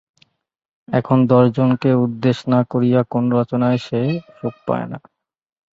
এখন দশজনকে উদ্দেশ না করিয়া কোনো রচনায় সে সুখ পায় না।